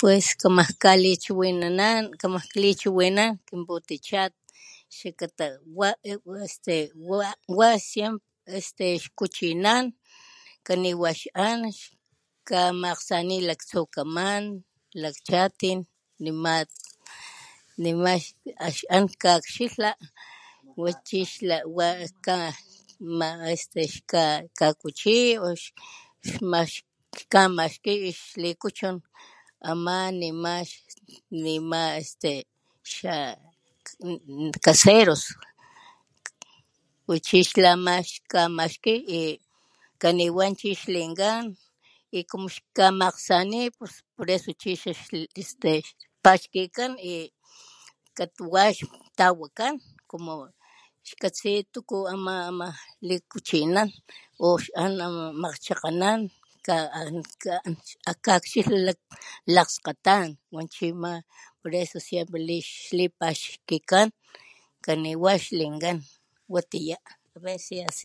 Pues kamaj kalichiwinanan kamaj klichiwinana kin putichat xakata wa este wa sie este ix kuchinan kaniwa ix an kamakgsani laktsukaman lakchatin nima nima ax an kakxila wa chi xla wa ka ama este kakuchi o ix ma kamaxki ix likuchun ama nima nima este caseros wa chi xlama xkamaxki y kaniwa chixlinkan y como xkamakgsani por eso chi xa este xpaxkikan katuwa xtawakan como xkatsi tuku ama ama likuchinan o x an makgchakganan tlan tlan ixan kakxila lakgskgatan wan chima por eso siempre xlipaxkikan kaniwa xlinkan watiya.